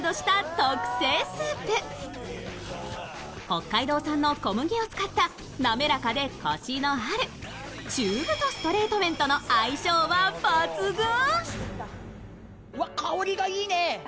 北海道産の小麦を使ったなめらかで、こしのある、中太ストレート麺との相性は抜群。